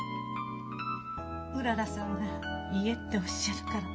うららさんが言えっておっしゃるから。